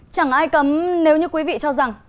chẳng ai cấm nếu như quý vị cho rằng